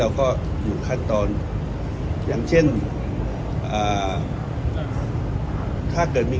การประชุมเมื่อวานมีข้อกำชับหรือข้อกำชับอะไรเป็นพิเศษ